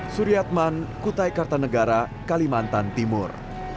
suryatman kutai kartanegara kalimantan timur